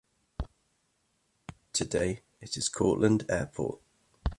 Today, it is Courtland Airport.